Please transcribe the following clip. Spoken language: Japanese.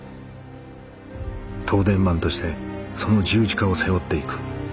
「東電マンとしてその十字架を背負っていく」。